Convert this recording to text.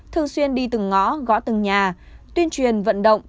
thường xuyên đi từng ngõ gõ từng nhà tuyên truyền vận động